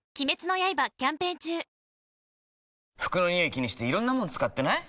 気にしていろんなもの使ってない？